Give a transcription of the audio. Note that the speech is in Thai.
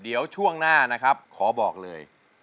เดี๋ยวช่วงหน้านะครับขอบอกเลย